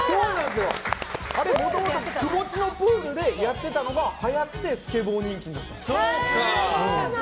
あれもともと窪地のプールでやってたのがはやってスケボー人気になったんです。